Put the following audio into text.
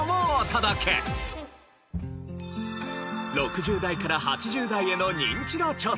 ６０代から８０代へのニンチド調査。